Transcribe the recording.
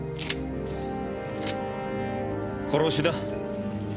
殺しだ。